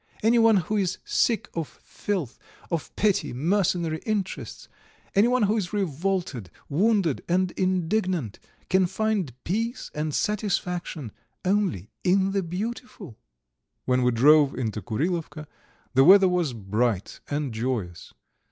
Anyone who is sick of filth, of petty, mercenary interests, anyone who is revolted, wounded, and indignant, can find peace and satisfaction only in the beautiful." When we drove into Kurilovka the weather was bright and joyous.